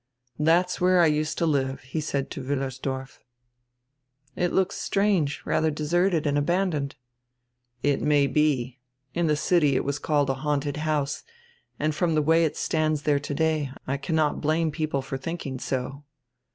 "That is where I used to live," he said to Wiillersdorf. "It looks strange, radier deserted and abandoned." "It may be. In die city it was called a haunted house and from die way it stands diere today I cannot blame people for diinking so."